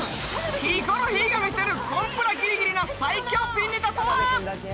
ヒコロヒーが見せるコンプラギリギリの最強ピンネタとは？